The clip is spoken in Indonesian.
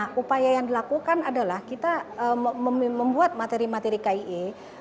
nah upaya yang dilakukan adalah kita membuat materi materi kie